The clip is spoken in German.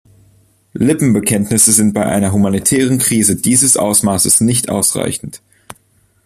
Lippenbekenntnisse sind bei einer humanitären Krise dieses Ausmaßes nicht ausreichend.